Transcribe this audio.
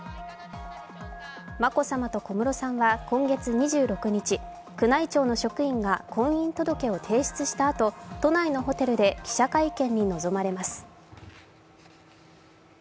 眞子さまと小室圭さんは今月２６日、宮内庁の職員が婚姻届を提出したあと都内のホテルで記者会見に臨まれます。